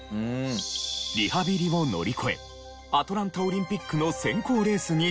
リハビリを乗り越えアトランタオリンピックの選考レースに出場。